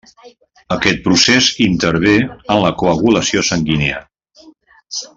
Aquest procés intervé en la coagulació sanguínia.